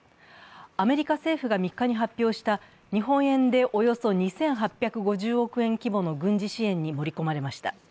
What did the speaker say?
アメリカ政府が３日に発表した日本円でおよそ２８５０億円規模の軍事支援に盛り込まれました。